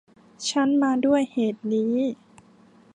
ฉันมาด้วยเหตุนี้